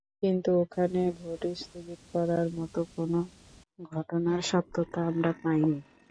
কিন্তু ওখানে ভোট স্থগিত করার মতো কোনো ঘটনার সত্যতা আমরা পাইনি।